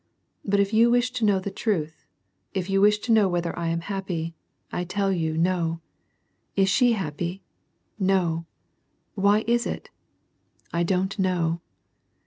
But if you wish to know the truth, if you wish to know whether I am happy, I tell you No. Is she happy ? Xo ! Why is it ? I don't know."